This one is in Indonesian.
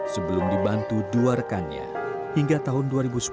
sebelum dibantu dua rekannya hingga tahun dua ribu sepuluh